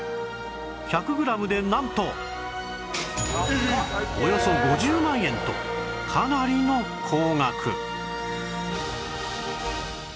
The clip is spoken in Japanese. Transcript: １００グラムでなんとおよそ５０万円とかなりの高額